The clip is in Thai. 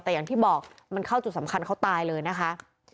แต่อย่างที่บอกมันเข้าจุดสำคัญเขาตายเลยนะคะ